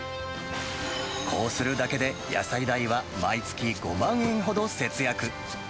こうするだけで、野菜代は毎月５万円ほど節約。